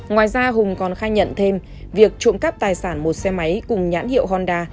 ngoài ra hùng còn khai nhận thêm việc trộm cắp tài sản một xe máy cùng nhãn hiệu honda